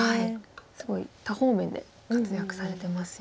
すごい多方面で活躍されてますよね。